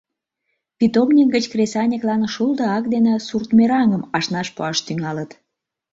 Питомник гыч кресаньыклан шулдо ак дене сурт мераҥым ашнаш пуаш тӱҥалыт.